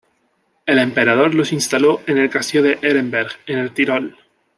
El emperador los instaló en el castillo de Ehrenberg, en el Tirol.